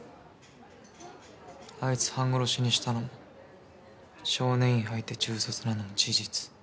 あいつ半殺しにしたのも少年院入って中卒なのも事実。